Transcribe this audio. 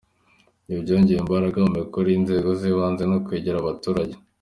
Ibyo byongereye imbaraga mu mikorere y’inzego z’ibanze no kwegera abaturage.